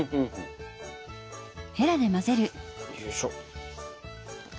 よいしょ。